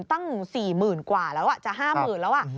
ตั้ง๔๐๐๐๐กว่าแล้วอ่ะจะ๕๐๐๐๐แล้วอ่ะ